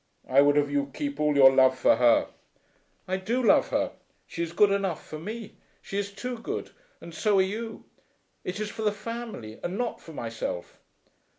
"I would have you keep all your love for her." "I do love her. She is good enough for me. She is too good; and so are you. It is for the family, and not for myself."